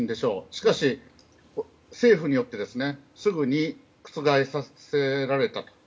しかし、政府によってすぐに覆させられたと。